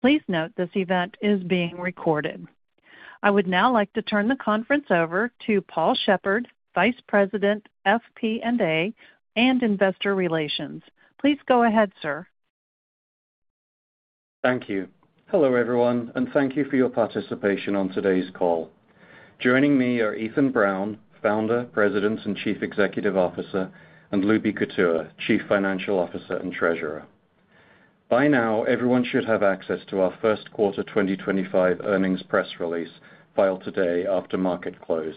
Please note this event is being recorded. I would now like to turn the conference over to Paul Shepherd, Vice President, FP&A, and Investor Relations. Please go ahead, sir. Thank you. Hello, everyone, and thank you for your participation on today's call. Joining me are Ethan Brown, Founder, President and Chief Executive Officer, and Lubi Kutua, Chief Financial Officer and Treasurer. By now, everyone should have access to our first quarter 2025 earnings press release filed today after market close.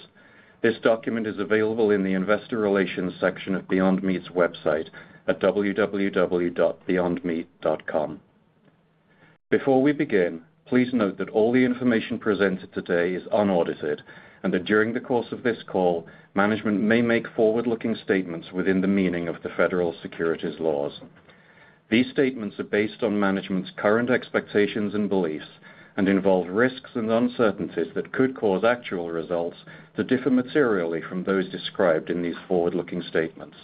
This document is available in the Investor Relations section of Beyond Meat's website at www.beyondmeat.com. Before we begin, please note that all the information presented today is unaudited and that during the course of this call, management may make forward-looking statements within the meaning of the federal securities laws. These statements are based on management's current expectations and beliefs and involve risks and uncertainties that could cause actual results to differ materially from those described in these forward-looking statements.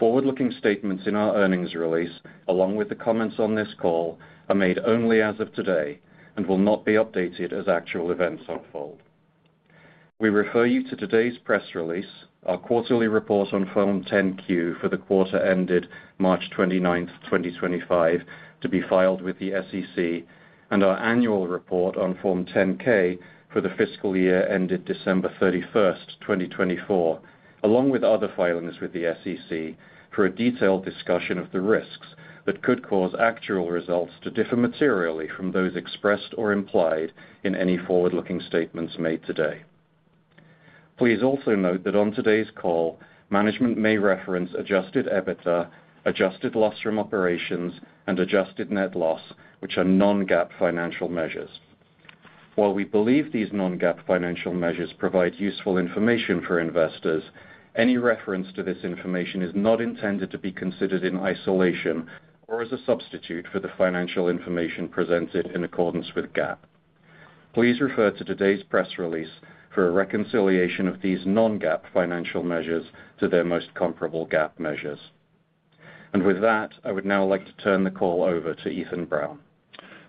Forward-looking statements in our earnings release, along with the comments on this call, are made only as of today and will not be updated as actual events unfold. We refer you to today's press release, our quarterly report on Form 10-Q for the quarter ended March 29, 2025, to be filed with the SEC, and our annual report on Form 10-K for the fiscal year ended December 31, 2024, along with other filings with the SEC for a detailed discussion of the risks that could cause actual results to differ materially from those expressed or implied in any forward-looking statements made today. Please also note that on today's call, management may reference adjusted EBITDA, adjusted loss from operations, and adjusted net loss, which are non-GAAP financial measures. While we believe these non-GAAP financial measures provide useful information for investors, any reference to this information is not intended to be considered in isolation or as a substitute for the financial information presented in accordance with GAAP. Please refer to today's press release for a reconciliation of these non-GAAP financial measures to their most comparable GAAP measures. I would now like to turn the call over to Ethan Brown.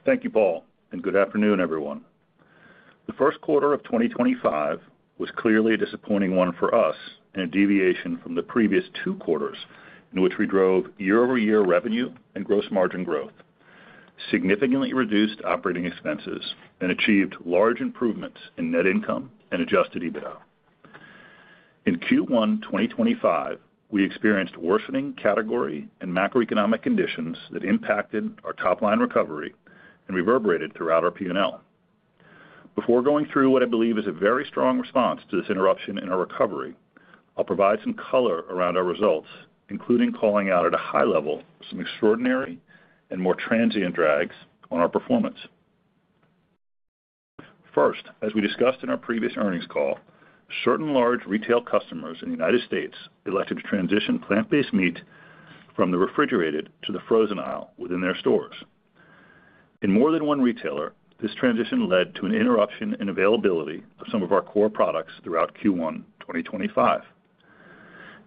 Thank you, Paul, and good afternoon, everyone. The first quarter of 2025 was clearly a disappointing one for us and a deviation from the previous two quarters in which we drove year-over-year revenue and gross margin growth, significantly reduced operating expenses, and achieved large improvements in net income and adjusted EBITDA. In Q1 2025, we experienced worsening category and macroeconomic conditions that impacted our top-line recovery and reverberated throughout our P&L. Before going through what I believe is a very strong response to this interruption in our recovery, I'll provide some color around our results, including calling out at a high level some extraordinary and more transient drags on our performance. First, as we discussed in our previous earnings call, certain large retail customers in the United States elected to transition plant-based meat from the refrigerated to the frozen aisle within their stores. In more than one retailer, this transition led to an interruption in availability of some of our core products throughout Q1 2025.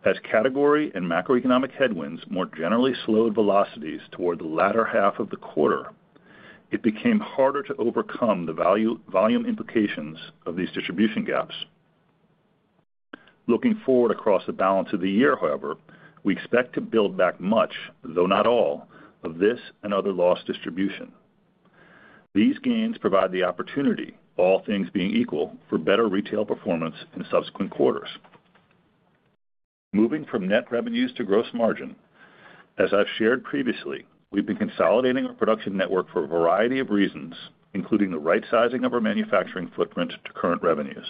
As category and macroeconomic headwinds more generally slowed velocities toward the latter half of the quarter, it became harder to overcome the volume implications of these distribution gaps. Looking forward across the balance of the year, however, we expect to build back much, though not all, of this and other lost distribution. These gains provide the opportunity, all things being equal, for better retail performance in subsequent quarters. Moving from net revenues to gross margin, as I've shared previously, we've been consolidating our production network for a variety of reasons, including the right-sizing of our manufacturing footprint to current revenues.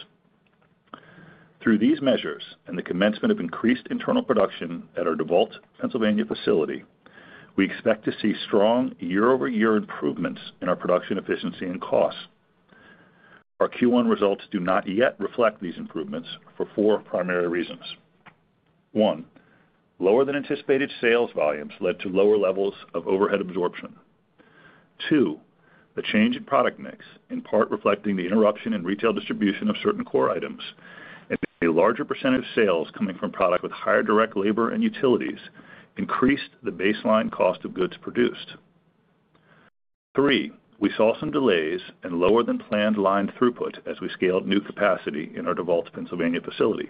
Through these measures and the commencement of increased internal production at our DeVault, Pennsylvania, facility, we expect to see strong year-over-year improvements in our production efficiency and costs. Our Q1 results do not yet reflect these improvements for four primary reasons. One, lower than anticipated sales volumes led to lower levels of overhead absorption. Two, the change in product mix, in part reflecting the interruption in retail distribution of certain core items and a larger percentage of sales coming from product with higher direct labor and utilities, increased the baseline cost of goods produced. Three, we saw some delays and lower than planned line throughput as we scaled new capacity in our DeVault, Pennsylvania, facility.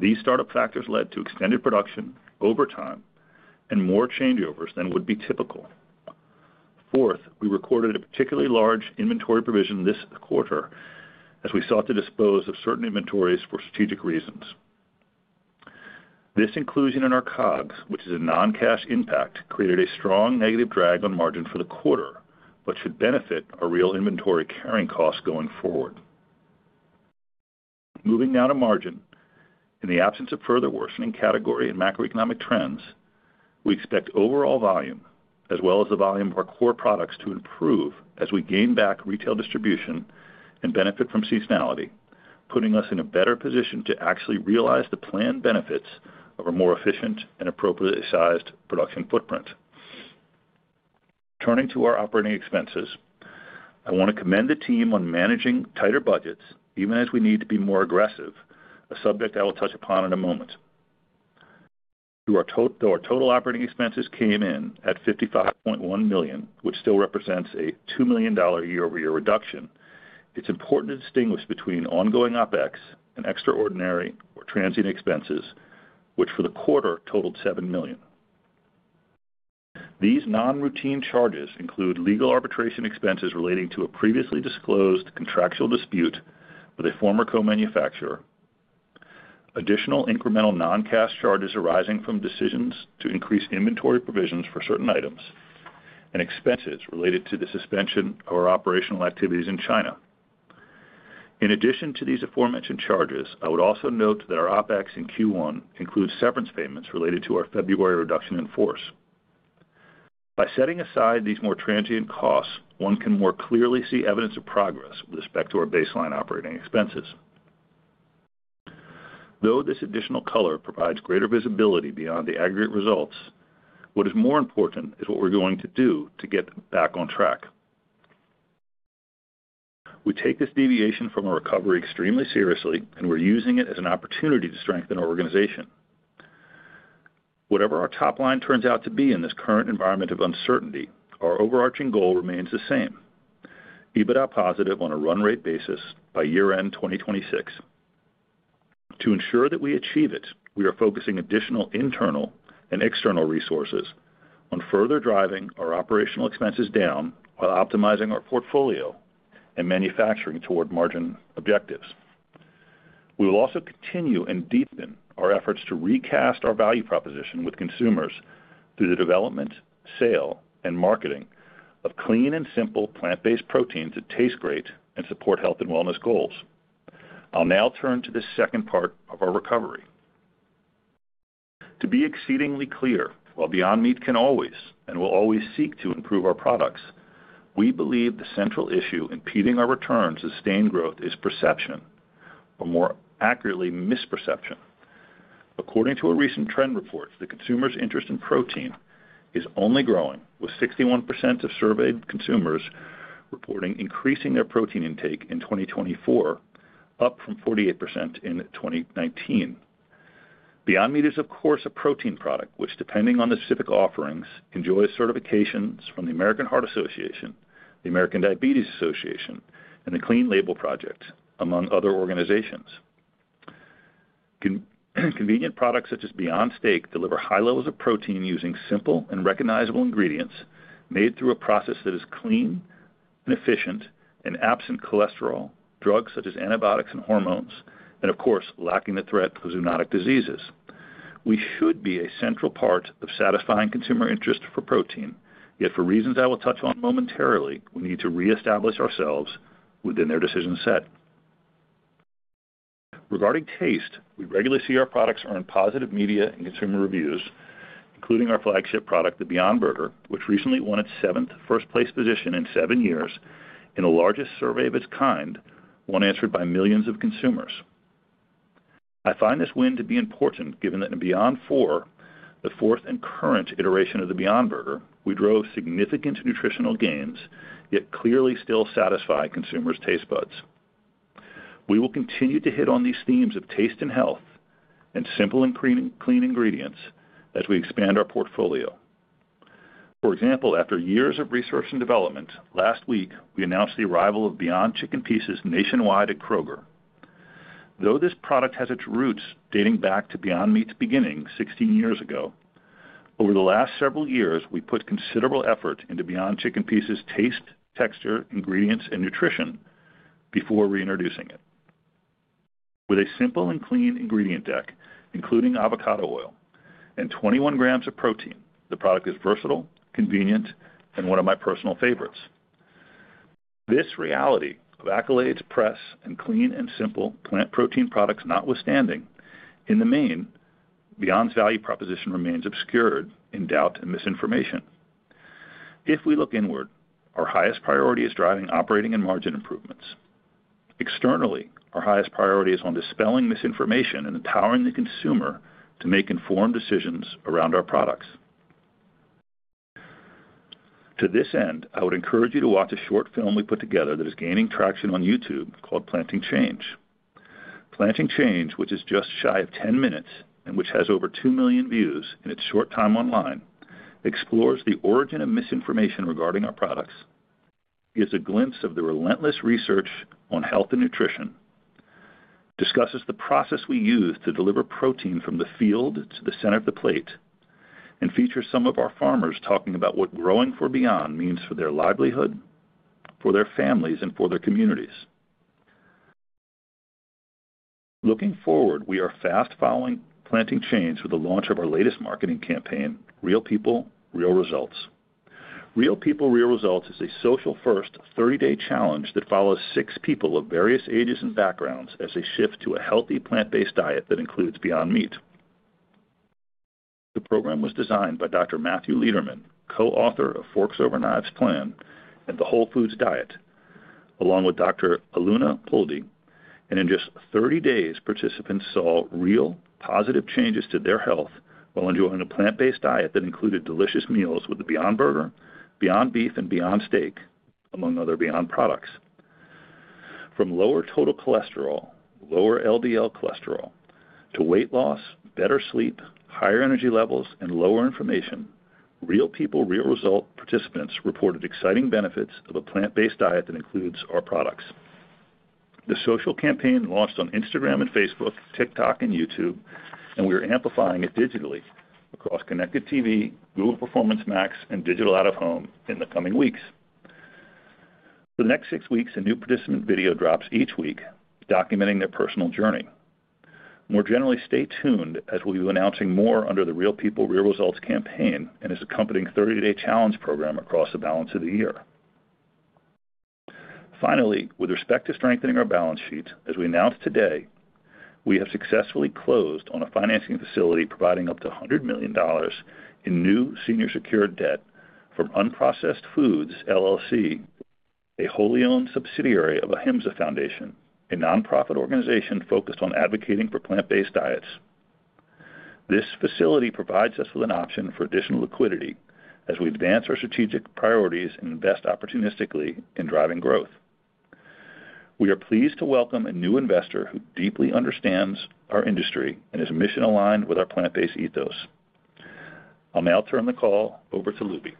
These startup factors led to extended production over time and more changeovers than would be typical. Fourth, we recorded a particularly large inventory provision this quarter as we sought to dispose of certain inventories for strategic reasons. This inclusion in our COGS, which is a non-cash impact, created a strong negative drag on margin for the quarter but should benefit our real inventory carrying costs going forward. Moving down to margin, in the absence of further worsening category and macroeconomic trends, we expect overall volume, as well as the volume of our core products, to improve as we gain back retail distribution and benefit from seasonality, putting us in a better position to actually realize the planned benefits of a more efficient and appropriately sized production footprint. Turning to our operating expenses, I want to commend the team on managing tighter budgets, even as we need to be more aggressive, a subject I will touch upon in a moment. Though our total operating expenses came in at $55.1 million, which still represents a $2 million year-over-year reduction, it's important to distinguish between ongoing OpEx and extraordinary or transient expenses, which for the quarter totaled $7 million. These non-routine charges include legal arbitration expenses relating to a previously disclosed contractual dispute with a former co-manufacturer, additional incremental non-cash charges arising from decisions to increase inventory provisions for certain items, and expenses related to the suspension of our operational activities in China. In addition to these aforementioned charges, I would also note that our OpEx in Q1 includes severance payments related to our February reduction in force. By setting aside these more transient costs, one can more clearly see evidence of progress with respect to our baseline operating expenses. Though this additional color provides greater visibility beyond the aggregate results, what is more important is what we're going to do to get back on track. We take this deviation from our recovery extremely seriously, and we're using it as an opportunity to strengthen our organization. Whatever our top line turns out to be in this current environment of uncertainty, our overarching goal remains the same: EBITDA positive on a run rate basis by year-end 2026. To ensure that we achieve it, we are focusing additional internal and external resources on further driving our operational expenses down while optimizing our portfolio and manufacturing toward margin objectives. We will also continue and deepen our efforts to recast our value proposition with consumers through the development, sale, and marketing of clean and simple plant-based proteins that taste great and support health and wellness goals. I'll now turn to the second part of our recovery. To be exceedingly clear, while Beyond Meat can always and will always seek to improve our products, we believe the central issue impeding our returns to sustained growth is perception, or more accurately, misperception. According to a recent trend report, the consumer's interest in protein is only growing, with 61% of surveyed consumers reporting increasing their protein intake in 2024, up from 48% in 2019. Beyond Meat is, of course, a protein product which, depending on the specific offerings, enjoys certifications from the American Heart Association, the American Diabetes Association, and the Clean Label Project, among other organizations. Convenient products such as Beyond Steak deliver high levels of protein using simple and recognizable ingredients made through a process that is clean and efficient and absent cholesterol, drugs such as antibiotics and hormones, and, of course, lacking the threat of zoonotic diseases. We should be a central part of satisfying consumer interest for protein, yet for reasons I will touch on momentarily, we need to reestablish ourselves within their decision set. Regarding taste, we regularly see our products earn positive media and consumer reviews, including our flagship product, the Beyond Burger, which recently won its seventh first-place position in seven years in the largest survey of its kind, one answered by millions of consumers. I find this win to be important given that in Beyond 4, the fourth and current iteration of the Beyond Burger, we drove significant nutritional gains, yet clearly still satisfy consumers' taste buds. We will continue to hit on these themes of taste and health and simple and clean ingredients as we expand our portfolio. convenient, and one of my personal favorites. This reality of accolades, press, and clean and simple plant protein products notwithstanding, in the main, Beyond's value proposition remains obscured in doubt and misinformation. If we look inward, our highest priority is driving operating and margin improvements. Externally, our highest priority is on dispelling misinformation and empowering the consumer to make informed decisions around our products. To this end, I would encourage you to watch a short film we put together that is gaining traction on YouTube called Planting Change. Planting Change, which is just shy of 10 minutes and which has over 2 million views in its short time online, explores the origin of misinformation regarding our products, gives a glimpse of the relentless research on health and nutrition, discusses the process we use to deliver protein from the field to the center of the plate, and features some of our farmers talking about what growing for Beyond means for their livelihood, for their families, and for their communities. Looking forward, we are fast following Planting Change with the launch of our latest marketing campaign, Real People, Real Results. Real People, Real Results is a social-first 30-day challenge that follows six people of various ages and backgrounds as they shift to a healthy plant-based diet that includes Beyond Meat. The program was designed by Dr. Matthew Lederman, co-author of Forks Over Knives Plan and The Whole Foods Diet, along with Dr. Aluna Poldi, and in just 30 days, participants saw real positive changes to their health while enjoying a plant-based diet that included delicious meals with the Beyond Burger, Beyond Beef, and Beyond Steak, among other Beyond products. From lower total cholesterol, lower LDL cholesterol, to weight loss, better sleep, higher energy levels, and lower inflammation, Real People, Real Results participants reported exciting benefits of a plant-based diet that includes our products. The social campaign launched on Instagram and Facebook, TikTok, and YouTube, and we are amplifying it digitally across Connected TV, Google Performance Max, and Digital Out of Home in the coming weeks. For the next six weeks, a new participant video drops each week documenting their personal journey. More generally, stay tuned as we'll be announcing more under the Real People, Real Results campaign and its accompanying 30-day challenge program across the balance of the year. Finally, with respect to strengthening our balance sheet, as we announced today, we have successfully closed on a financing facility providing up to $100 million in new senior secured debt from Unprocessed Foods LLC, a wholly-owned subsidiary of HIMSA Foundation, a nonprofit organization focused on advocating for plant-based diets. This facility provides us with an option for additional liquidity as we advance our strategic priorities and invest opportunistically in driving growth. We are pleased to welcome a new investor who deeply understands our industry and is mission-aligned with our plant-based ethos. I'll now turn the call over to Lubi.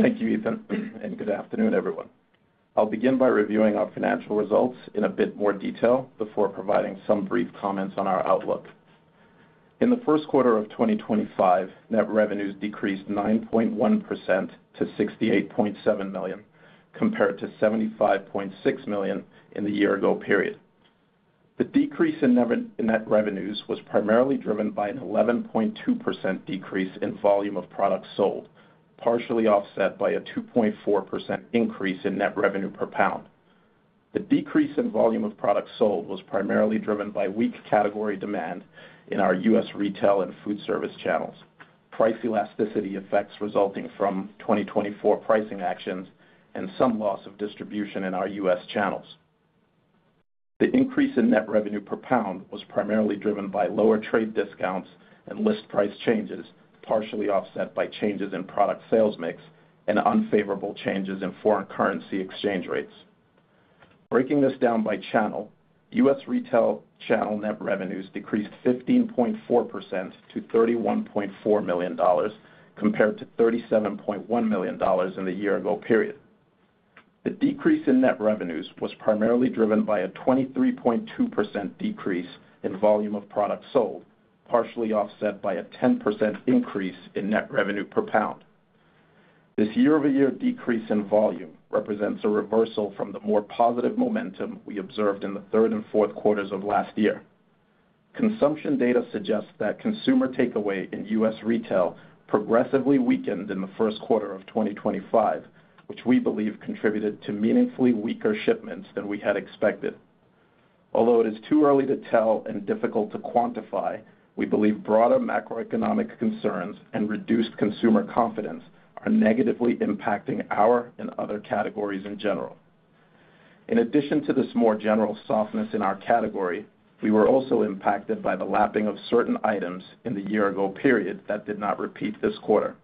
Thank you, Ethan, and good afternoon, everyone. I'll begin by reviewing our financial results in a bit more detail before providing some brief comments on our outlook. In the first quarter of 2025, net revenues decreased 9.1% to $68.7 million compared to $75.6 million in the year-ago period. The decrease in net revenues was primarily driven by an 11.2% decrease in volume of products sold, partially offset by a 2.4% increase in net revenue per pound. The decrease in volume of products sold was primarily driven by weak category demand in our U.S. retail and food service channels, price elasticity effects resulting from 2024 pricing actions, and some loss of distribution in our U.S. channels. The increase in net revenue per pound was primarily driven by lower trade discounts and list price changes, partially offset by changes in product sales mix and unfavorable changes in foreign currency exchange rates. Breaking this down by channel, U.S. retail channel net revenues decreased 15.4%-$31.4 million compared to $37.1 million in the year-ago period. The decrease in net revenues was primarily driven by a 23.2% decrease in volume of products sold, partially offset by a 10% increase in net revenue per pound. This year-over-year decrease in volume represents a reversal from the more positive momentum we observed in the third and fourth quarters of last year. Consumption data suggests that consumer takeaway in U.S. retail progressively weakened in the first quarter of 2025, which we believe contributed to meaningfully weaker shipments than we had expected. Although it is too early to tell and difficult to quantify, we believe broader macroeconomic concerns and reduced consumer confidence are negatively impacting our and other categories in general. In addition to this more general softness in our category, we were also impacted by the lapping of certain items in the year-ago period that did not repeat this quarter.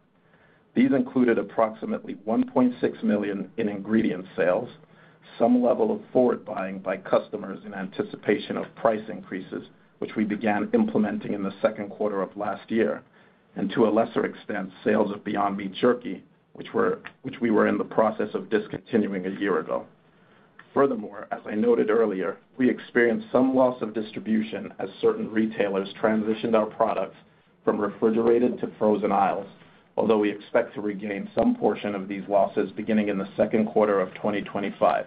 These included approximately $1.6 million in ingredient sales, some level of forward buying by customers in anticipation of price increases, which we began implementing in the second quarter of last year, and to a lesser extent, sales of Beyond Meat Jerky, which we were in the process of discontinuing a year ago. Furthermore, as I noted earlier, we experienced some loss of distribution as certain retailers transitioned our products from refrigerated to frozen aisles, although we expect to regain some portion of these losses beginning in the second quarter of 2025.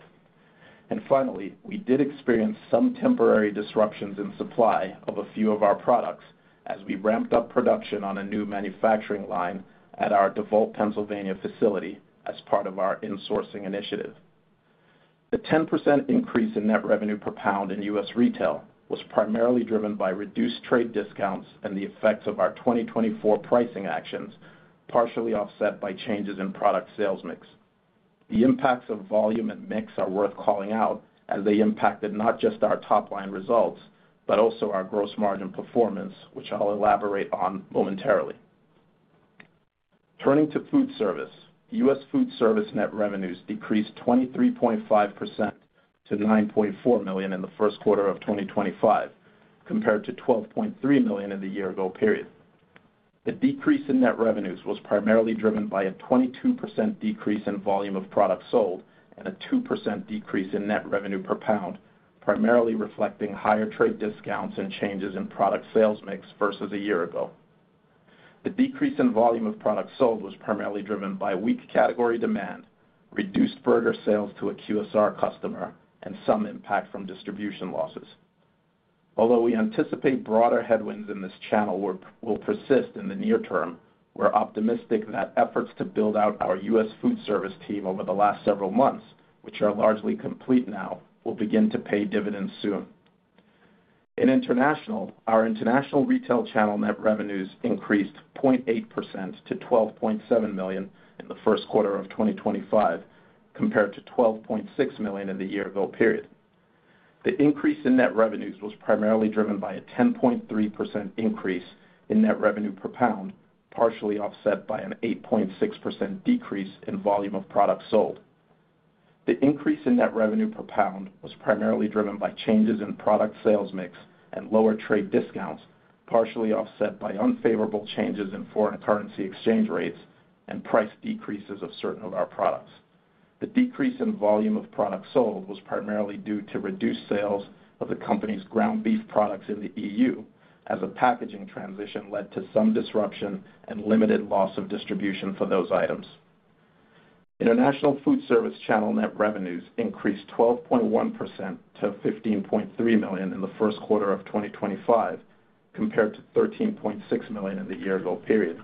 Finally, we did experience some temporary disruptions in supply of a few of our products as we ramped up production on a new manufacturing line at our DeVault, Pennsylvania facility as part of our insourcing initiative. The 10% increase in net revenue per pound in U.S. retail was primarily driven by reduced trade discounts and the effects of our 2024 pricing actions, partially offset by changes in product sales mix. The impacts of volume and mix are worth calling out as they impacted not just our top line results, but also our gross margin performance, which I'll elaborate on momentarily. Turning to food service, U.S food service net revenues decreased 23.5% to $9.4 million in the first quarter of 2025, compared to $12.3 million in the year-ago period. The decrease in net revenues was primarily driven by a 22% decrease in volume of products sold and a 2% decrease in net revenue per pound, primarily reflecting higher trade discounts and changes in product sales mix versus a year ago. The decrease in volume of products sold was primarily driven by weak category demand, reduced burger sales to a QSR customer, and some impact from distribution losses. Although we anticipate broader headwinds in this channel will persist in the near term, we're optimistic that efforts to build out our US FoodFoods service team over the last several months, which are largely complete now, will begin to pay dividends soon. In international, our international retail channel net revenues increased 0.8%-$12.7 million in the first quarter of 2025, compared to $12.6 million in the year-ago period. The increase in net revenues was primarily driven by a 10.3% increase in net revenue per pound, partially offset by an 8.6% decrease in volume of products sold. The increase in net revenue per pound was primarily driven by changes in product sales mix and lower trade discounts, partially offset by unfavorable changes in foreign currency exchange rates and price decreases of certain of our products. The decrease in volume of products sold was primarily due to reduced sales of the company's ground beef products in the EU, as a packaging transition led to some disruption and limited loss of distribution for those items. International food service channel net revenues increased 12.1%-$15.3 million in the first quarter of 2025, compared to $13.6 million in the year-ago period.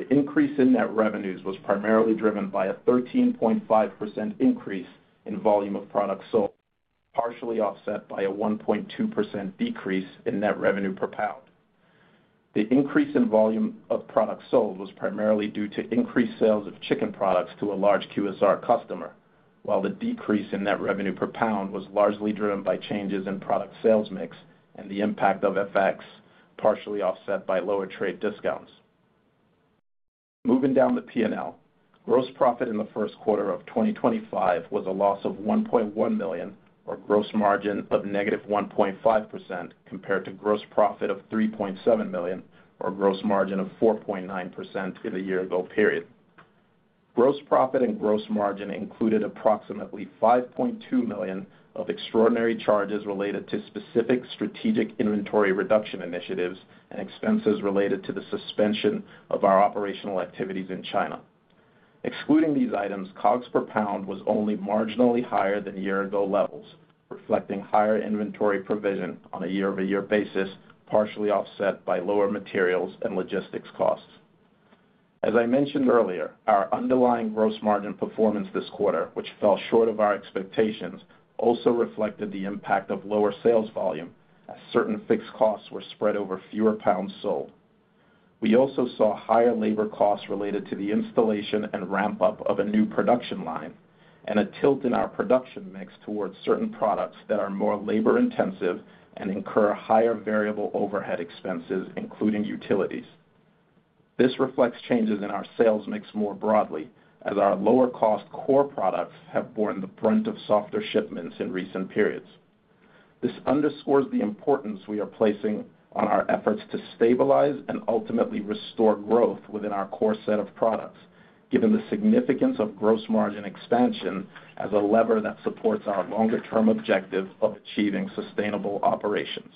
The increase in net revenues was primarily driven by a 13.5% increase in volume of products sold, partially offset by a 1.2% decrease in net revenue per pound. The increase in volume of products sold was primarily due to increased sales of chicken products to a large QSR customer, while the decrease in net revenue per pound was largely driven by changes in product sales mix and the impact of FX, partially offset by lower trade discounts. Moving down the P&L, gross profit in the first quarter of 2025 was a loss of $1.1 million, or gross margin of negative 1.5%, compared to gross profit of $3.7 million, or gross margin of 4.9% in the year-ago period. Gross profit and gross margin included approximately $5.2 million of extraordinary charges related to specific strategic inventory reduction initiatives and expenses related to the suspension of our operational activities in China. Excluding these items, COGS per pound was only marginally higher than year-ago levels, reflecting higher inventory provision on a year-over-year basis, partially offset by lower materials and logistics costs. As I mentioned earlier, our underlying gross margin performance this quarter, which fell short of our expectations, also reflected the impact of lower sales volume as certain fixed costs were spread over fewer pounds sold. We also saw higher labor costs related to the installation and ramp-up of a new production line and a tilt in our production mix towards certain products that are more labor-intensive and incur higher variable overhead expenses, including utilities. This reflects changes in our sales mix more broadly, as our lower-cost core products have borne the brunt of softer shipments in recent periods. This underscores the importance we are placing on our efforts to stabilize and ultimately restore growth within our core set of products, given the significance of gross margin expansion as a lever that supports our longer-term objective of achieving sustainable operations.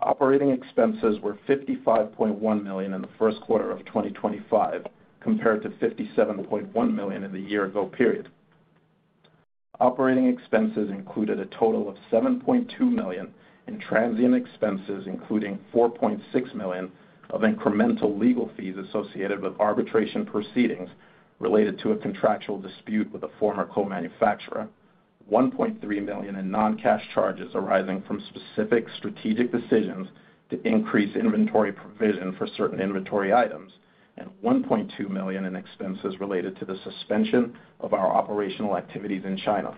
Operating expenses were $55.1 million in the first quarter of 2025, compared to $57.1 million in the year-ago period. Operating expenses included a total of $7.2 million in transient expenses, including $4.6 million of incremental legal fees associated with arbitration proceedings related to a contractual dispute with a former co-manufacturer, $1.3 million in non-cash charges arising from specific strategic decisions to increase inventory provision for certain inventory items, and $1.2 million in expenses related to the suspension of our operational activities in China.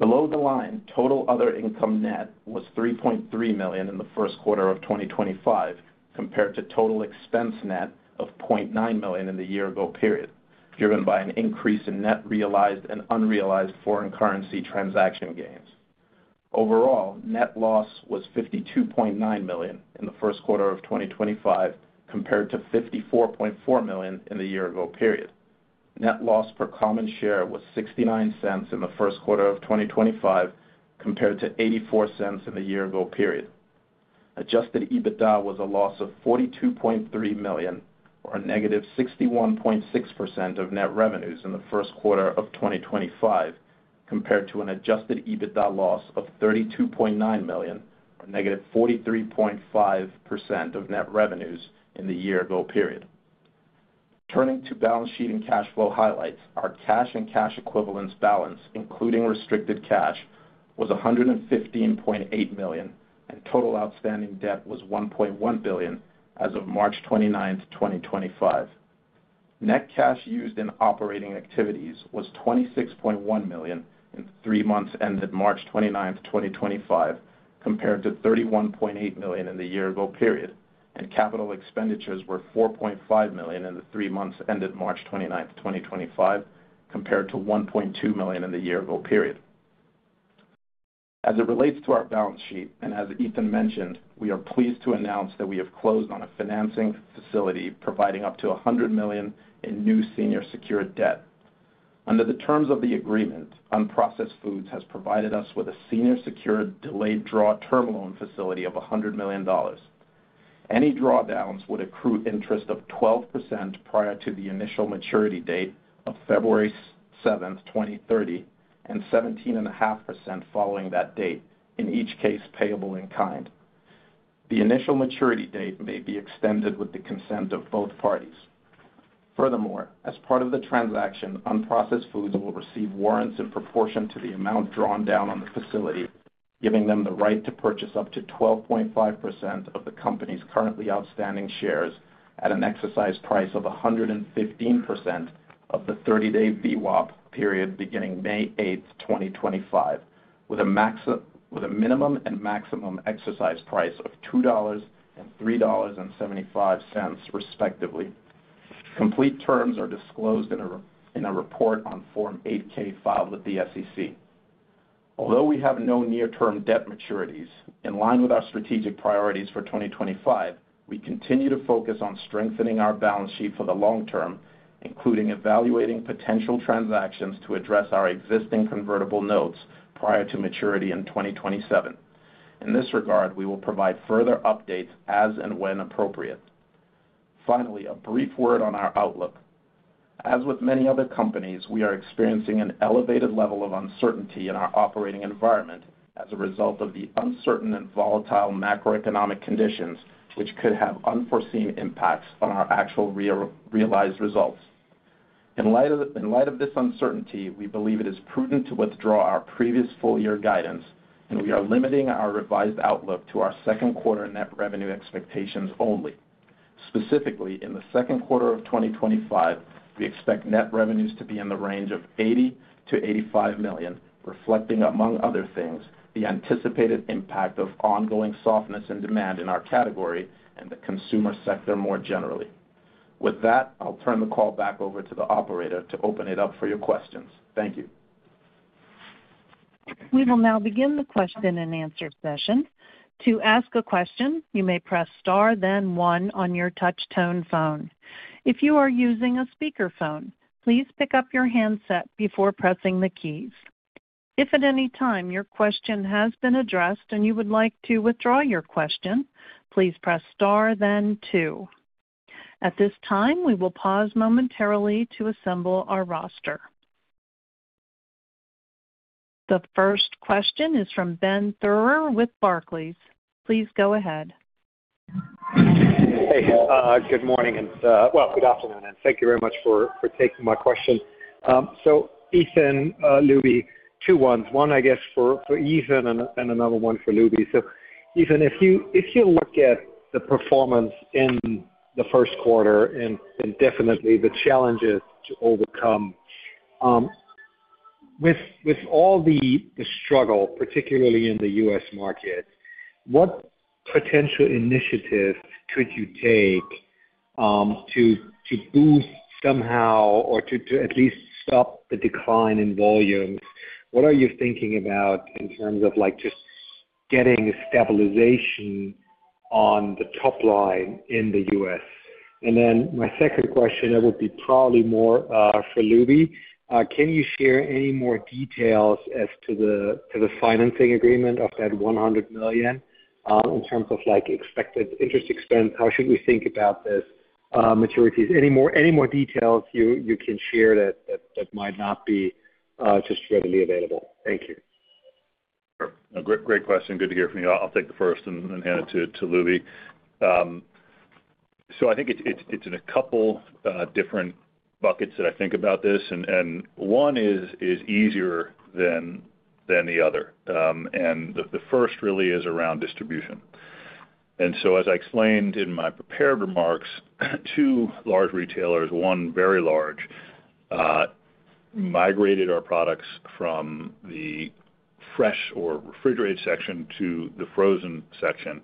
Below the line, total other income net was $3.3 million in the first quarter of 2025, compared to total expense net of $0.9 million in the year-ago period, driven by an increase in net realized and unrealized foreign currency transaction gains. Overall, net loss was $52.9 million in the first quarter of 2025, compared to $54.4 million in the year-ago period. Net loss per common share was $0.69 in the first quarter of 2025, compared to $0.84 in the year-ago period. Adjusted EBITDA was a loss of $42.3 million, or negative 61.6% of net revenues in the first quarter of 2025, compared to an adjusted EBITDA loss of $32.9 million, or negative 43.5% of net revenues in the year-ago period. Turning to balance sheet and cash flow highlights, our cash and cash equivalents balance, including restricted cash, was $115.8 million, and total outstanding debt was $1.1 billion as of March 29, 2025. Net cash used in operating activities was $26.1 million in the three months ended March 29, 2025, compared to $31.8 million in the year-ago period, and capital expenditures were $4.5 million in the three months ended March 29, 2025, compared to $1.2 million in the year-ago period. As it relates to our balance sheet, and as Ethan mentioned, we are pleased to announce that we have closed on a financing facility providing up to $100 million in new senior secured debt. Under the terms of the agreement, Unprocessed Foods has provided us with a senior secured delayed draw term loan facility of $100 million. Any drawdowns would accrue interest of 12% prior to the initial maturity date of February 7, 2030, and 17.5% following that date, in each case payable in kind. The initial maturity date may be extended with the consent of both parties. Furthermore, as part of the transaction, Unprocessed Foods will receive warrants in proportion to the amount drawn down on the facility, giving them the right to purchase up to 12.5% of the company's currently outstanding shares at an exercise price of 115% of the 30-day VWAP period beginning May 8, 2025, with a minimum and maximum exercise price of $2 and $3.75, respectively. Complete terms are disclosed in a report on Form 8-K filed with the SEC. Although we have no near-term debt maturities, in line with our strategic priorities for 2025, we continue to focus on strengthening our balance sheet for the long term, including evaluating potential transactions to address our existing convertible notes prior to maturity in 2027. In this regard, we will provide further updates as and when appropriate. Finally, a brief word on our outlook. As with many other companies, we are experiencing an elevated level of uncertainty in our operating environment as a result of the uncertain and volatile macroeconomic conditions, which could have unforeseen impacts on our actual realized results. In light of this uncertainty, we believe it is prudent to withdraw our previous full-year guidance, and we are limiting our revised outlook to our second quarter net revenue expectations only. Specifically, in the second quarter of 2025, we expect net revenues to be in the range of $80-$85 million, reflecting, among other things, the anticipated impact of ongoing softness in demand in our category and the consumer sector more generally. With that, I'll turn the call back over to the operator to open it up for your questions. Thank you. We will now begin the question and answer session. To ask a question, you may press Star, then one on your touch-tone phone. If you are using a speakerphone, please pick up your handset before pressing the keys. If at any time your question has been addressed and you would like to withdraw your question, please press Star, then two. At this time, we will pause momentarily to assemble our roster. The first question is from Ben Thurer with Barclays. Please go ahead. Hey, good morning, and good afternoon, and thank you very much for taking my question. So, Ethan, Lubi, two ones. One, I guess, for Ethan and another one for Lubi. So, Ethan, if you look at the performance in the first quarter and definitely the challenges to overcome, with all the struggle, particularly in the U.S. market, what potential initiatives could you take to boost somehow or to at least stop the decline in volumes? What are you thinking about in terms of just getting stabilization on the top line in the U.S.? My second question, it would be probably more for Lubi. Can you share any more details as to the financing agreement of that $100 million in terms of expected interest expense? How should we think about these maturities? Any more details you can share that might not be just readily available? Thank you. Great question. Good to hear from you. I'll take the first and hand it to Lubi. I think it's in a couple of different buckets that I think about this. One is easier than the other. The first really is around distribution. As I explained in my prepared remarks, two large retailers, one very large, migrated our products from the fresh or refrigerated section to the frozen section,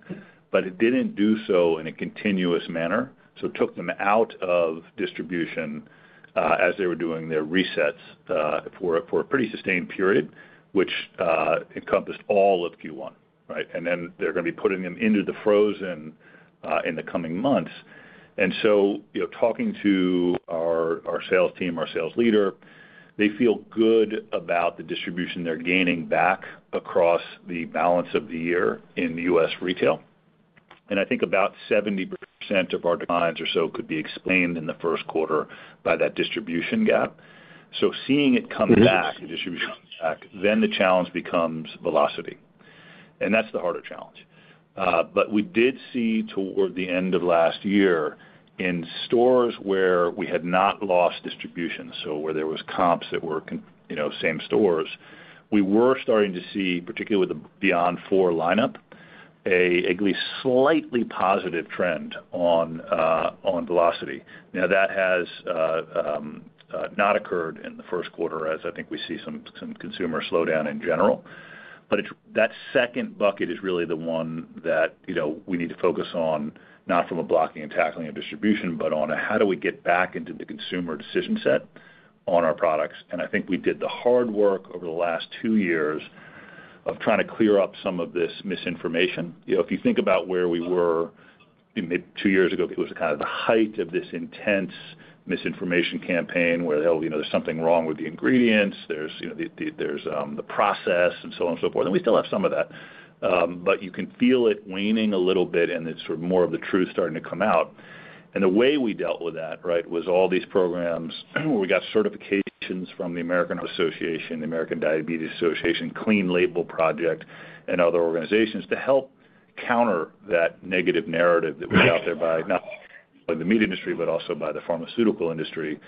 but it did not do so in a continuous manner. It took them out of distribution as they were doing their resets for a pretty sustained period, which encompassed all of Q1, right? They are going to be putting them into the frozen in the coming months. Talking to our sales team, our sales leader, they feel good about the distribution they are gaining back across the balance of the year in U.S. retail. I think about 70% of our declines or so could be explained in the first quarter by that distribution gap. Seeing it come back, the distribution come back, the challenge becomes velocity. That is the harder challenge. We did see toward the end of last year in stores where we had not lost distribution, so where there were comps that were same stores, we were starting to see, particularly with the Beyond Four lineup, a slightly positive trend on velocity. That has not occurred in the first quarter as I think we see some consumer slowdown in general. That second bucket is really the one that we need to focus on, not from a blocking and tackling of distribution, but on how do we get back into the consumer decision set on our products. I think we did the hard work over the last two years of trying to clear up some of this misinformation. If you think about where we were two years ago, it was kind of the height of this intense misinformation campaign where there's something wrong with the ingredients, there's the process, and so on and so forth. We still have some of that. You can feel it waning a little bit and sort of more of the truth starting to come out. The way we dealt with that, right, was all these programs where we got certifications from the American Heart Association, the American Diabetes Association, Clean Label Project, and other organizations to help counter that negative narrative that was out there by not only the meat industry, but also by the pharmaceutical industry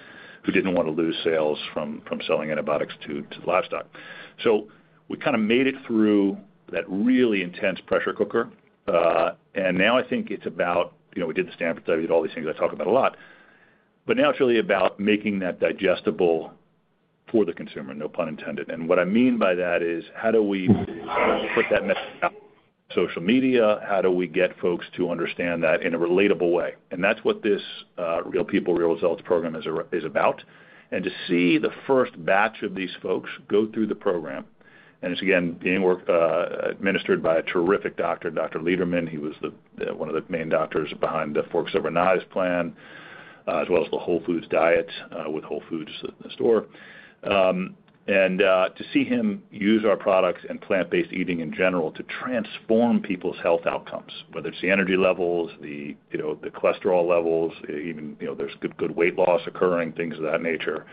who did not want to lose sales from selling antibiotics to livestock. We kind of made it through that really intense pressure cooker. Now I think it's about we did the Stanford study, we did all these things I talk about a lot. Now it's really about making that digestible for the consumer, no pun intended. What I mean by that is how do we put that message out on social media? How do we get folks to understand that in a relatable way? That's what this Real People, Real Results program is about. To see the first batch of these folks go through the program, and it's, again, being administered by a terrific doctor, Dr. Lederman. He was one of the main doctors behind the Forks Over Knives plan, as well as the Whole Foods diet with Whole Foods in the store. To see him use our products and plant-based eating in general to transform people's health outcomes, whether it's the energy levels, the cholesterol levels, even there's good weight loss occurring, things of that nature,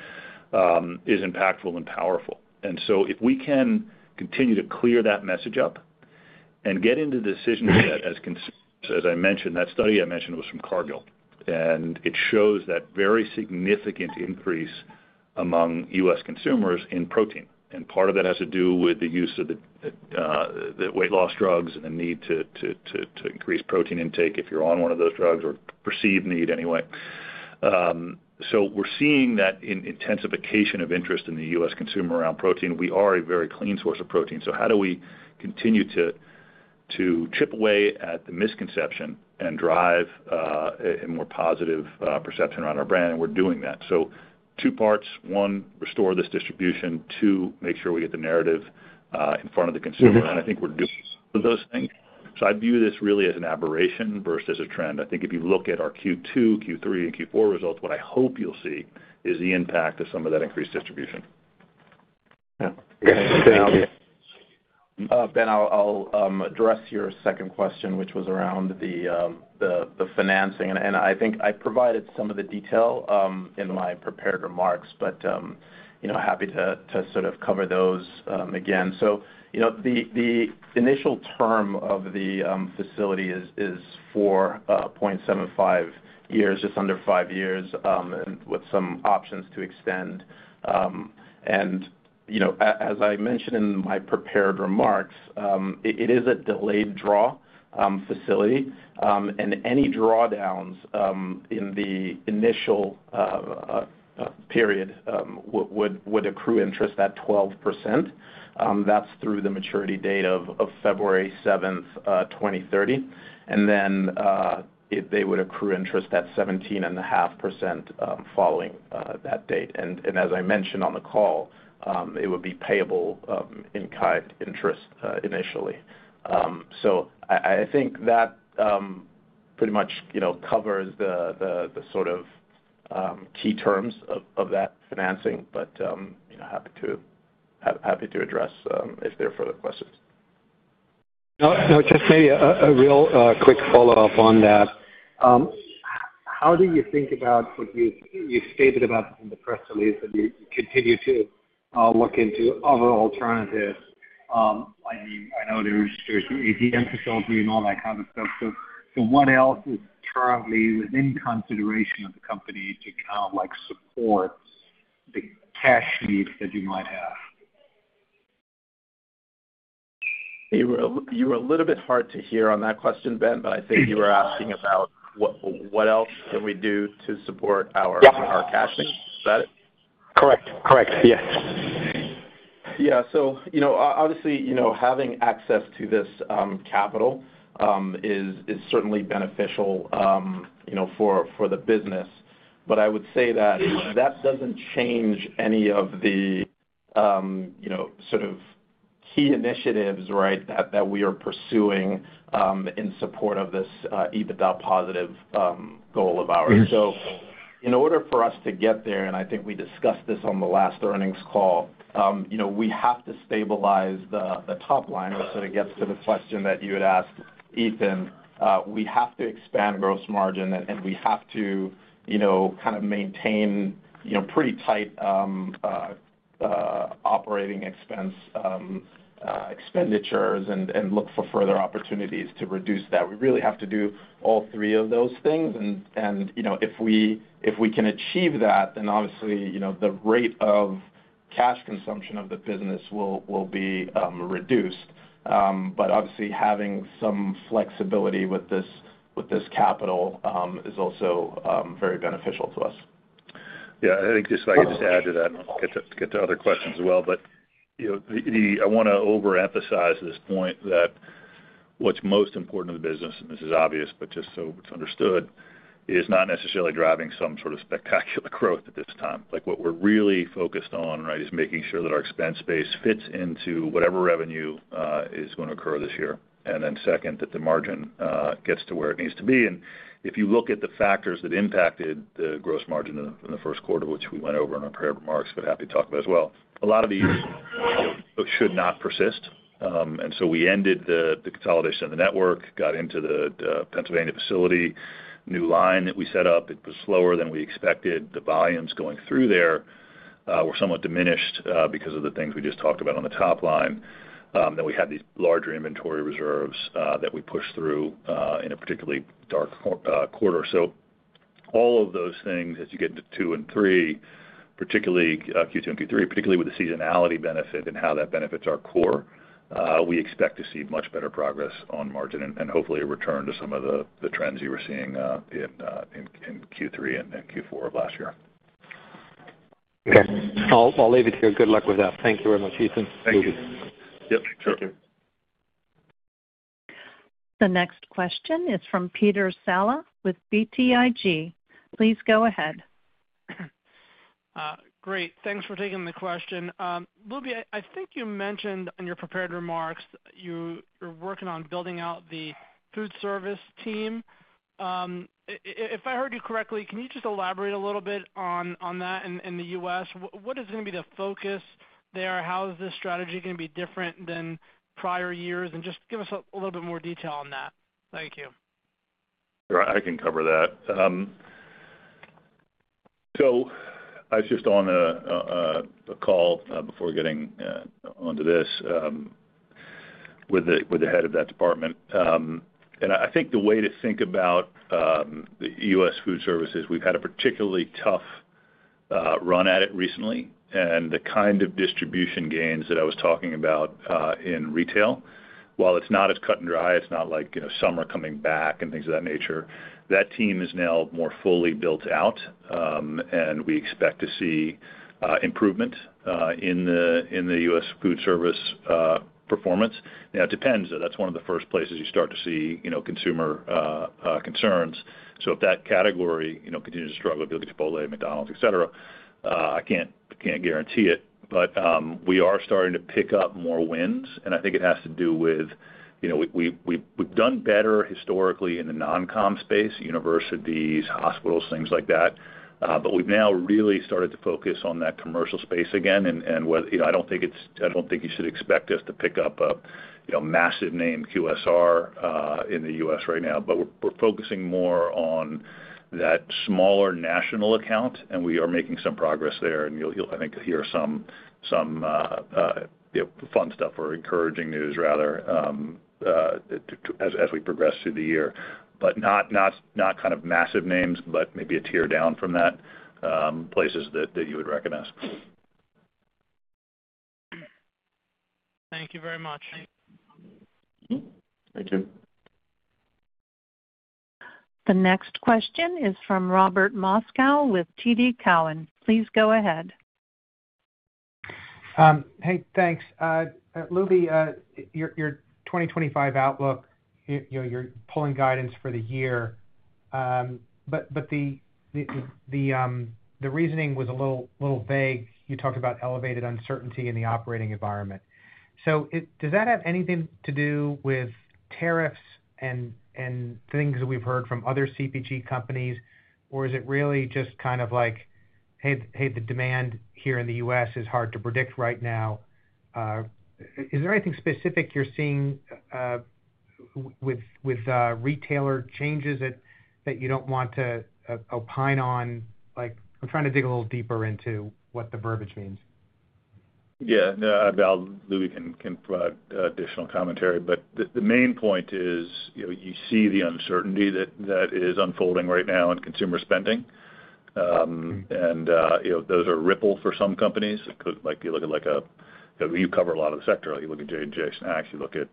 is impactful and powerful. If we can continue to clear that message up and get into the decisions that, as consumers, as I mentioned, that study I mentioned was from Cargill. It shows that very significant increase among U.S. consumers in protein. Part of that has to do with the use of the weight loss drugs and the need to increase protein intake if you're on one of those drugs or perceived need anyway. We are seeing that intensification of interest in the U.S. consumer around protein. We are a very clean source of protein. How do we continue to chip away at the misconception and drive a more positive perception around our brand? We're doing that. Two parts. One, restore this distribution. Two, make sure we get the narrative in front of the consumer. I think we're doing some of those things. I view this really as an aberration versus a trend. I think if you look at our Q2, Q3, and Q4 results, what I hope you'll see is the impact of some of that increased distribution. Thank you. Ben, I'll address your second question, which was around the financing. I think I provided some of the detail in my prepared remarks, but happy to sort of cover those again. The initial term of the facility is for 0.75 years, just under five years, with some options to extend. As I mentioned in my prepared remarks, it is a delayed draw facility. Any drawdowns in the initial period would accrue interest at 12%. That's through the maturity date of February 7, 2030. They would accrue interest at 17.5% following that date. As I mentioned on the call, it would be payable in kind interest initially. I think that pretty much covers the sort of key terms of that financing, but happy to address if there are further questions. No, just maybe a real quick follow-up on that. How do you think about what you stated about in the press release that you continue to look into other alternatives? I mean, I know there's the ATM facility and all that kind of stuff. What else is currently within consideration of the company to kind of support the cash needs that you might have? You were a little bit hard to hear on that question, Ben, but I think you were asking about what else can we do to support our cash needs. Is that it? Correct. Correct. Yes. Yeah. Obviously, having access to this capital is certainly beneficial for the business. I would say that that does not change any of the sort of key initiatives, right, that we are pursuing in support of this EBITDA positive goal of ours. In order for us to get there, and I think we discussed this on the last earnings call, we have to stabilize the top line. It gets to the question that you had asked, Ethan. We have to expand gross margin, and we have to kind of maintain pretty tight operating expense expenditures and look for further opportunities to reduce that. We really have to do all three of those things. If we can achieve that, then obviously the rate of cash consumption of the business will be reduced. Obviously, having some flexibility with this capital is also very beneficial to us. Yeah. I think just if I could just add to that and get to other questions as well. I want to overemphasize this point that what's most important in the business, and this is obvious, but just so it's understood, is not necessarily driving some sort of spectacular growth at this time. What we're really focused on, right, is making sure that our expense base fits into whatever revenue is going to occur this year. Second, that the margin gets to where it needs to be. If you look at the factors that impacted the gross margin in the first quarter, which we went over in our prepared remarks, but happy to talk about as well, a lot of these should not persist. We ended the consolidation of the network, got into the Pennsylvania facility, new line that we set up. It was slower than we expected. The volumes going through there were somewhat diminished because of the things we just talked about on the top line. Then we had these larger inventory reserves that we pushed through in a particularly dark quarter. All of those things, as you get to two and three, particularly Q2 and Q3, particularly with the seasonality benefit and how that benefits our core, we expect to see much better progress on margin and hopefully a return to some of the trends you were seeing in Q3 and Q4 of last year. Okay. I'll leave it here. Good luck with that. Thank you very much, Ethan. Thank you. Yep. Thank you. The next question is from Peter Sala with BTIG. Please go ahead. Great. Thanks for taking the question. Lubi, I think you mentioned in your prepared remarks you're working on building out the food service team. If I heard you correctly, can you just elaborate a little bit on that in the U.S.? What is going to be the focus there? How is this strategy going to be different than prior years? Just give us a little bit more detail on that. Thank you. All right. I can cover that. I was just on a call before getting onto this with the head of that department. I think the way to think about the US Foods service is we've had a particularly tough run at it recently. The kind of distribution gains that I was talking about in retail, while it's not as cut and dry, it's not like summer coming back and things of that nature, that team is now more fully built out. We expect to see improvement in the US Foods service performance. It depends. That's one of the first places you start to see consumer concerns. If that category continues to struggle, like Chipotle, McDonald's, etc., I can't guarantee it. We are starting to pick up more wins. I think it has to do with we've done better historically in the non-com space, universities, hospitals, things like that. We have now really started to focus on that commercial space again. I do not think you should expect us to pick up a massive name, QSR, in the U.S. right now. We are focusing more on that smaller national account. We are making some progress there. I think you will hear some fun stuff or encouraging news, rather, as we progress through the year. Not kind of massive names, but maybe a tier down from that, places that you would recognize. Thank you very much. Thank you. The next question is from Robert Moskow with TD Cowen. Please go ahead. Hey, thanks. Lubi, your 2025 outlook, you're pulling guidance for the year. The reasoning was a little vague. You talked about elevated uncertainty in the operating environment. Does that have anything to do with tariffs and things that we've heard from other CPG companies? Is it really just kind of like, "Hey, the demand here in the U.S. is hard to predict right now"? Is there anything specific you're seeing with retailer changes that you don't want to opine on? I'm trying to dig a little deeper into what the verbiage means. Yeah. Lubi can provide additional commentary. The main point is you see the uncertainty that is unfolding right now in consumer spending. Those are ripple for some companies. You look at, you cover a lot of the sector. You look at J&J Snack Foods. You look at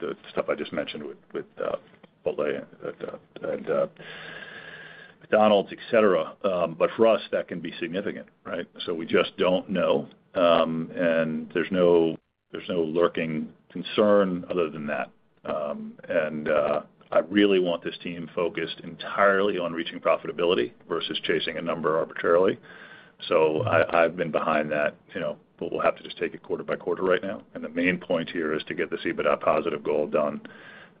the stuff I just mentioned with Chipotle, McDonald's, etc. For us, that can be significant, right? We just do not know. There is no lurking concern other than that. I really want this team focused entirely on reaching profitability versus chasing a number arbitrarily. I have been behind that. We will have to just take it quarter by quarter right now. The main point here is to get this EBITDA positive goal done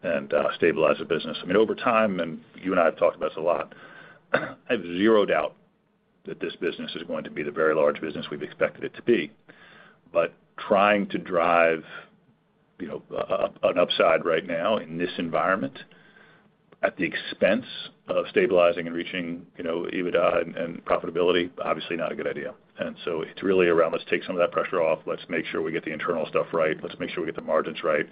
and stabilize the business. I mean, over time, and you and I have talked about this a lot, I have zero doubt that this business is going to be the very large business we have expected it to be. Trying to drive an upside right now in this environment at the expense of stabilizing and reaching EBITDA and profitability, obviously not a good idea. It is really around, "Let's take some of that pressure off. Let's make sure we get the internal stuff right. Let's make sure we get the margins right.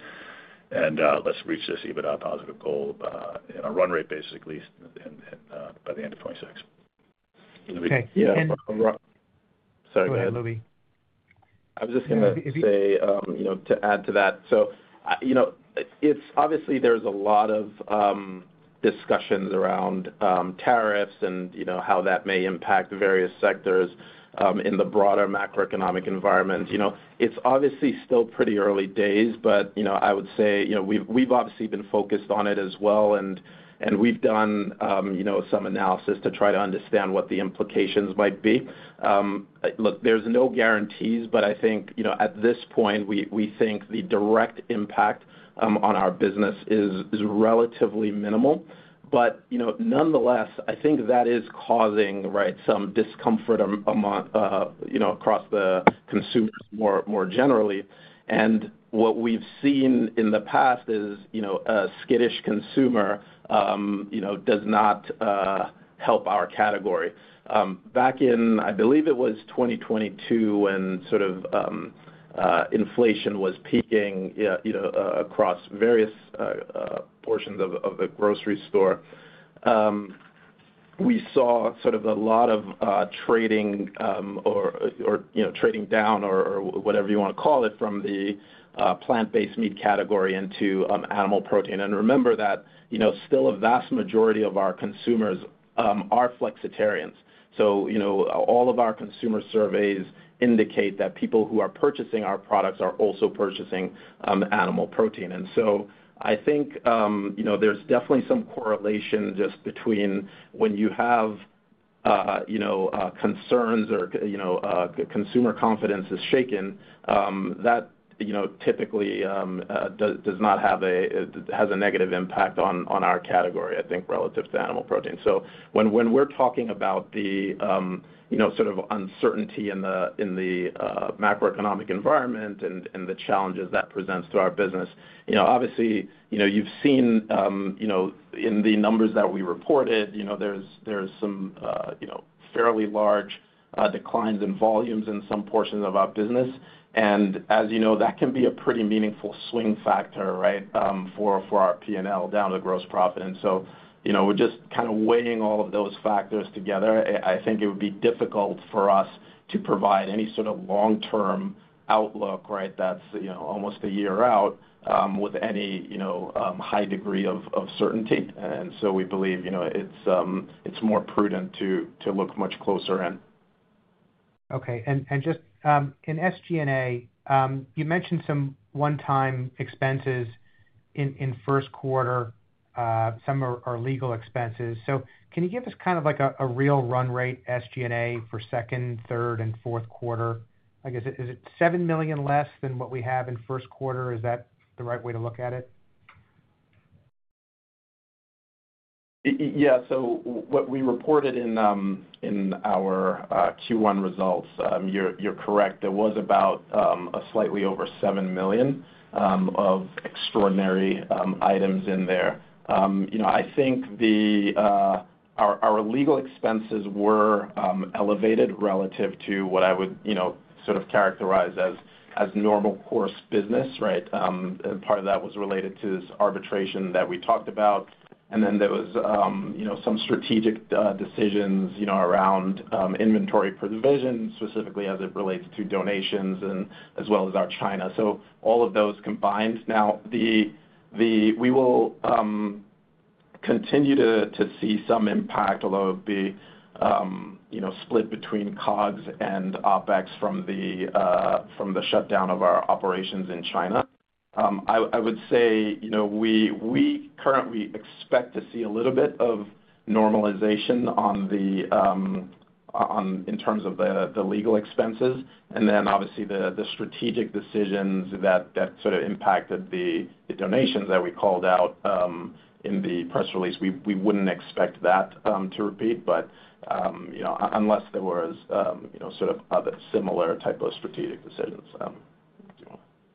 Let's reach this EBITDA positive goal in our run rate, basically, by the end of 2026. Okay. Yeah. Sorry, Ben. Go ahead, Lubi. I was just going to say, to add to that, obviously, there's a lot of discussions around tariffs and how that may impact various sectors in the broader macroeconomic environment. It's obviously still pretty early days. I would say we've obviously been focused on it as well. We've done some analysis to try to understand what the implications might be. Look, there's no guarantees. I think at this point, we think the direct impact on our business is relatively minimal. Nonetheless, I think that is causing, right, some discomfort across the consumers more generally. What we've seen in the past is a skittish consumer does not help our category. Back in, I believe it was 2022, when sort of inflation was peaking across various portions of the grocery store, we saw sort of a lot of trading or trading down or whatever you want to call it from the plant-based meat category into animal protein. Remember that still a vast majority of our consumers are flexitarians. All of our consumer surveys indicate that people who are purchasing our products are also purchasing animal protein. I think there is definitely some correlation just between when you have concerns or consumer confidence is shaken, that typically does not have a negative impact on our category, I think, relative to animal protein. When we're talking about the sort of uncertainty in the macroeconomic environment and the challenges that presents to our business, obviously, you've seen in the numbers that we reported, there's some fairly large declines in volumes in some portions of our business. As you know, that can be a pretty meaningful swing factor, right, for our P&L down to gross profit. We're just kind of weighing all of those factors together. I think it would be difficult for us to provide any sort of long-term outlook, right, that's almost a year out with any high degree of certainty. We believe it's more prudent to look much closer in. Okay. In SG&A, you mentioned some one-time expenses in first quarter, some are legal expenses. Can you give us kind of a real run rate, SG&A, for second, third, and fourth quarter? I guess, is it $7 million less than what we have in first quarter? Is that the right way to look at it? Yeah. So what we reported in our Q1 results, you're correct. It was about a slightly over $7 million of extraordinary items in there. I think our legal expenses were elevated relative to what I would sort of characterize as normal course business, right? Part of that was related to this arbitration that we talked about. There was some strategic decisions around inventory provision, specifically as it relates to donations and as well as our China. All of those combined. Now, we will continue to see some impact, although it'll be split between COGS and OPEX from the shutdown of our operations in China. I would say we currently expect to see a little bit of normalization in terms of the legal expenses. Obviously, the strategic decisions that sort of impacted the donations that we called out in the press release, we would not expect that to repeat, unless there were sort of other similar type of strategic decisions.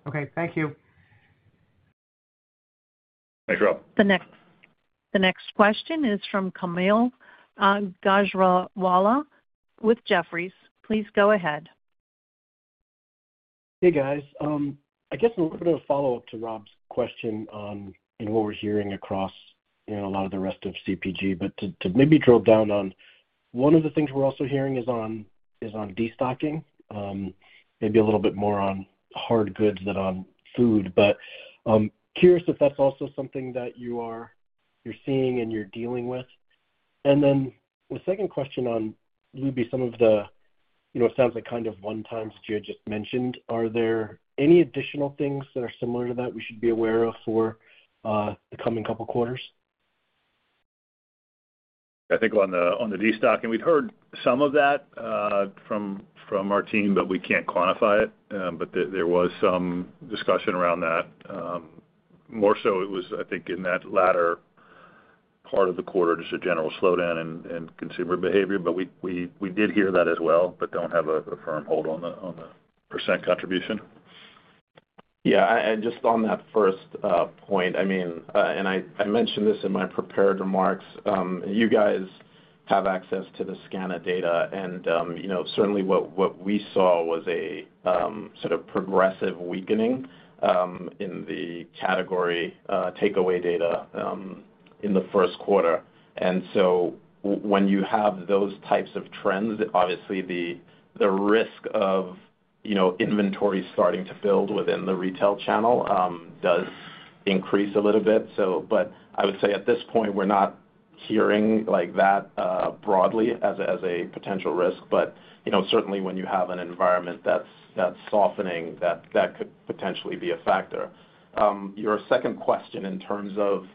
Okay. Thank you. Thanks, Rob. The next question is from Kaumil Gajrawala with Jefferies. Please go ahead. Hey, guys. I guess a little bit of a follow-up to Rob's question on what we're hearing across a lot of the rest of CPG. To maybe drill down on, one of the things we're also hearing is on destocking, maybe a little bit more on hard goods than on food. Curious if that's also something that you're seeing and you're dealing with. The second question on, Lubi, some of the it sounds like kind of one-time that you had just mentioned. Are there any additional things that are similar to that we should be aware of for the coming couple of quarters? I think on the destocking, we've heard some of that from our team, but we can't quantify it. There was some discussion around that. More so, it was, I think, in that latter part of the quarter, just a general slowdown in consumer behavior. We did hear that as well, but don't have a firm hold on the % contribution. Yeah. And just on that first point, I mean, and I mentioned this in my prepared remarks, you guys have access to the SCANA data. Certainly, what we saw was a sort of progressive weakening in the category takeaway data in the first quarter. When you have those types of trends, obviously, the risk of inventory starting to build within the retail channel does increase a little bit. I would say at this point, we're not hearing that broadly as a potential risk. Certainly, when you have an environment that's softening, that could potentially be a factor. Your second question in terms of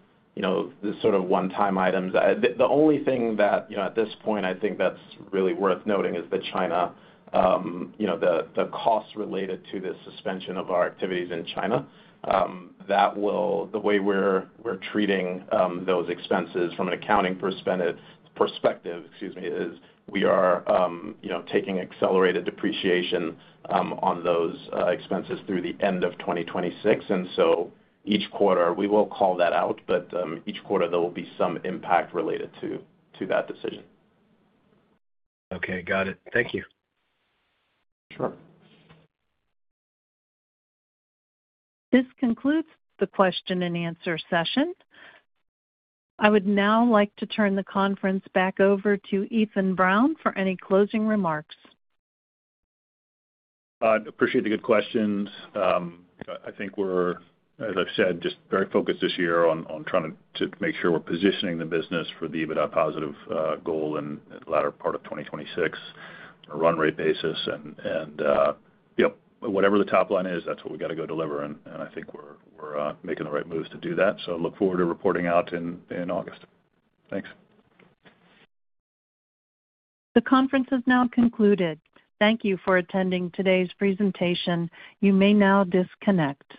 the sort of one-time items, the only thing that at this point, I think that's really worth noting is the China, the costs related to the suspension of our activities in China. The way we're treating those expenses from an accounting perspective, excuse me, is we are taking accelerated depreciation on those expenses through the end of 2026. Each quarter, we will call that out. Each quarter, there will be some impact related to that decision. Okay. Got it. Thank you. Sure. This concludes the question and answer session. I would now like to turn the conference back over to Ethan Brown for any closing remarks. I appreciate the good questions. I think we're, as I've said, just very focused this year on trying to make sure we're positioning the business for the EBITDA positive goal in the latter part of 2026 on a run rate basis. Whatever the top line is, that's what we got to go deliver. I think we're making the right moves to do that. I look forward to reporting out in August. Thanks. The conference is now concluded. Thank you for attending today's presentation. You may now disconnect.